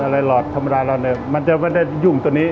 สวัสดีครับผมชื่อสามารถชานุบาลชื่อเล่นว่าขิงถ่ายหนังสุ่นแห่ง